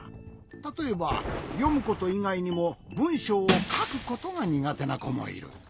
たとえばよむこといがいにもぶんしょうをかくことがにがてなこもいる。